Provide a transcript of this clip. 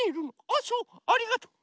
あそうありがとう。